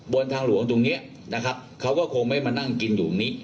บนทางหลวงตรงนี้นะครับเขาก็คงไม่มานั่งกินอยู่ตรงนี้